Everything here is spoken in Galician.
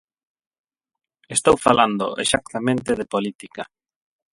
Estou falando exactamente de política.